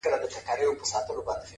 د ښایستونو خدایه سر ټیټول تاته نه وه؛